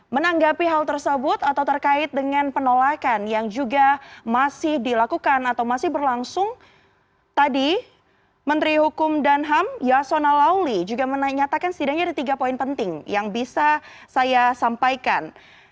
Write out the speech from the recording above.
menanggapi hal tersebut atau terkait dengan penolakan yang juga masih dilakukan atau masih berlangsung tadi menteri hukum dan ham yasona lawli juga menyatakan setidaknya ada tiga poin penting yang bisa saya sampaikan